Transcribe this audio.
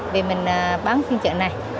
vì mình bán phiên trợ này